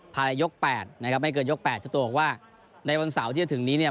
ภายในยก๘นะครับไม่เกินยก๘เจ้าตัวบอกว่าในวันเสาร์ที่จะถึงนี้เนี่ย